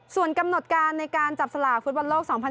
ส่วนกำหนดการในการจับสลากฟุตบอลโลก๒๐๑๖